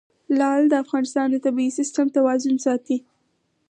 لعل د افغانستان د طبعي سیسټم توازن ساتي.